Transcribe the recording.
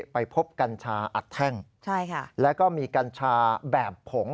ไปพบกัญชาอัดแท่งแล้วก็มีกัญชาแบบผง